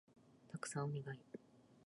たくさんお願い